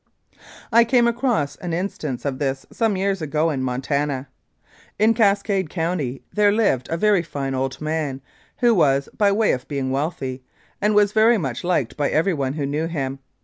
I came across an instance of this some years ago in Montana. In Cascade County there lived a very fine old man who was by way of being wealthy, and was very much liked by everyone who knew him.